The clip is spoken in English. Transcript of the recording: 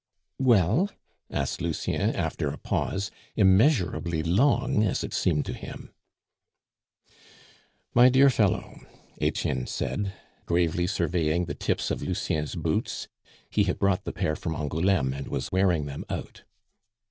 "Well?" asked Lucien after a pause, immeasurably long, as it seemed to him. "My dear fellow," Etienne said, gravely surveying the tips of Lucien's boots (he had brought the pair from Angouleme, and was wearing them out).